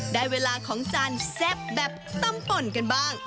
ได้เวลาของจานแซ่บแบบต้มป่นกันบ้าง